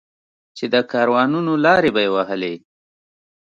چې د کاروانونو لارې به یې وهلې.